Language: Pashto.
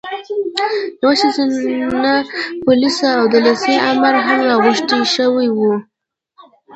یوه ښځینه پولیسه او د لېسې امره هم راغوښتل شوې وه.